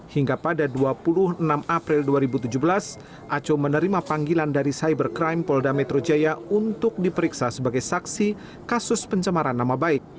hingga pada dua puluh enam april dua ribu tujuh belas aco menerima panggilan dari cybercrime polda metropoli